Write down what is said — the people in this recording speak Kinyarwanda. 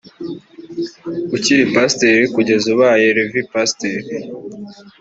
ukiri Pasiteri kugeza ubaye Rev Pasiteri